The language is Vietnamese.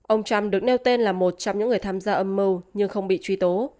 ông trump được nêu tên là một trong những người tham gia âm mưu nhưng không bị truy tố